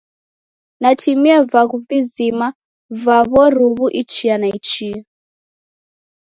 Natimie vaghu vizima va w'oruw'u ichia na ichia.